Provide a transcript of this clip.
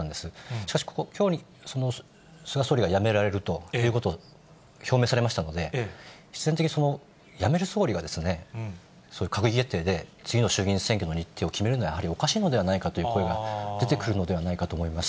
しかしきょうに菅総理が辞められるということを表明されましたので、必然的に辞める総理が、そういう閣議決定で、次の衆議院選挙の日程を決めるのは、やはりおかしいのではないかという声が出てくるのではないかと思います。